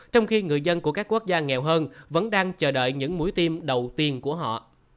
trong khi người dân của các quốc gia nghèo hơn vẫn đang chờ đợi những mũi tim đầu tiên của họ